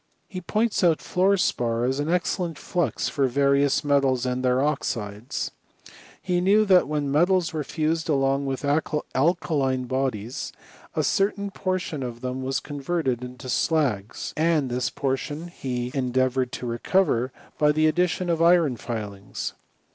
He points out" fluor spar as an excellent flux for various metals an^ their oxides. He knew that when metals were fusedl along with alkaline bodies, a certain portion of theittk ' was converted into slags, and this portion be endefe^T CHKMISTRT OP PARACEL81I)B. 177 wated to recover by the addition of iron filings.